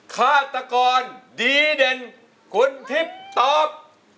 ฆาตกรดีเด่นคุณทิพย์ตอบ